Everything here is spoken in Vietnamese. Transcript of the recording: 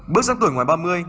bước sang tuổi ngoài ba mươi